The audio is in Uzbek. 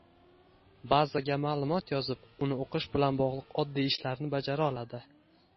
Bazaga ma’lumot yozib, uni o’qish bilan bog’liq oddiy ishlarni bajara oladi